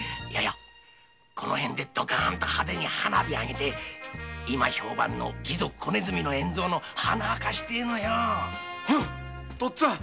このへんでドカンと派手に花火をあげて今評判の義賊・小鼠の円蔵の鼻を明かしてえのよ。とっつぁん！